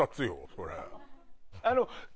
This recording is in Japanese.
それ。